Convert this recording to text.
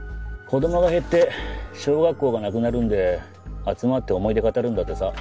子供が減って小学校がなくなるんで集まって思い出語るんだってさ。